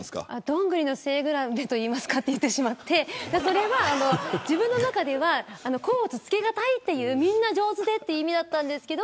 どんぐりの背比べと言ってしまってそれは、自分の中では甲乙つけがたいというみんな上手という意味だったんですけど。